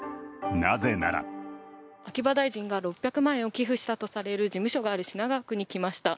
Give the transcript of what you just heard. なぜなら秋葉大臣が６００万円を寄付したとされる事務所がある品川区に来ました。